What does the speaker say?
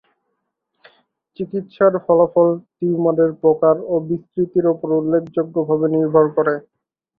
চিকিৎসার ফলাফল টিউমারের প্রকার ও বিস্তৃতির ওপর উল্লেখযোগ্যভাবে নির্ভর করে।